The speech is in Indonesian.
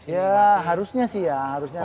ya harusnya sih ya